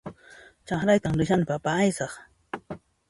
Chakraytan rishani papa aysaq